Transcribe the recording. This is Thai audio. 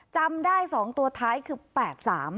จำได้๒ตัวท้ายคือ๘๓